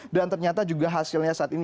dan ternyata juga hasilnya saat ini